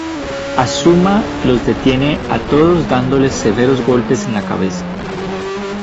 Asuma los detiene a todos dándoles severos golpes en la cabeza.